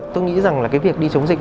tôi nghĩ rằng là cái việc đi chống dịch